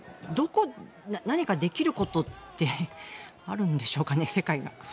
何かできることってあるんでしょうか、世界が。